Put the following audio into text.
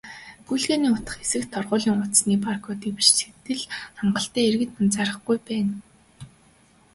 "Гүйлгээний утга" хэсэгт торгуулийн хуудасны бар кодыг л бичихэд хангалттайг иргэд анзаарахгүй байна.